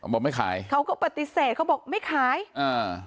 บอกไม่ขายเขาก็ปฏิเสธเขาบอกไม่ขายอ่า